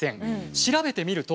調べてみると。